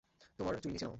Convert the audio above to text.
তোমার চুল নিচে নামাও।